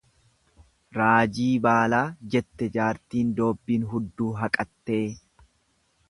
Raajii baalaa jette jaartiin doobbiin hudduu haqattee.